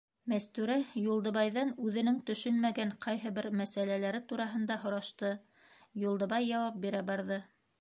Мәстүрә Юлдыбайҙан үҙенең төшөнмәгән ҡайһы бер мәсьәләләре тураһында һорашты, Юлдыбай яуап бирә барҙы.